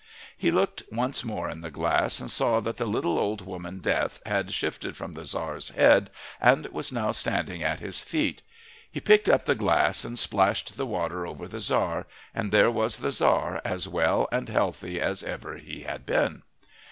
He looked once more in the glass, and saw that the little old woman Death had shifted from the Tzar's head and was now standing at his feet. He picked up the glass and splashed the water over the Tzar, and there was the Tzar as well and healthy as ever he had been.